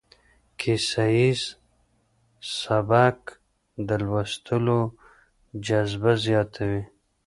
کيسه ييز سبک د لوستلو جذب زياتوي.